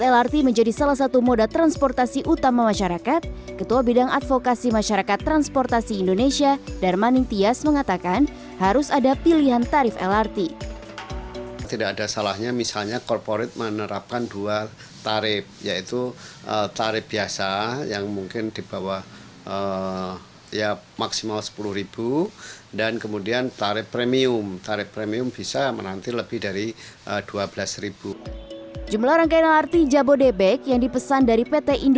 lrt tahap lima